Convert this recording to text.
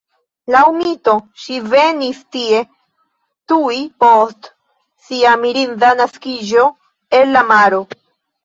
Laŭ mito, ŝi venis tie tuj post sia mirinda naskiĝo el la maro.